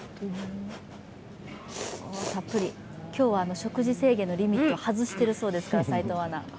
今日は食事制限のリミットを外しているそうですから。